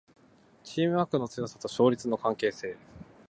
チームワークの強さと勝率の関係性